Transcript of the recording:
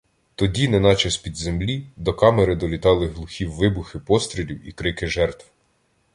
Тоді, неначе з-під землі, до камери долітали глухі вибухи пострілів і крики жертв.